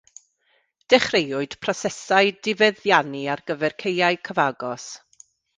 Dechreuwyd prosesau difeddiannu ar gyfer caeau cyfagos.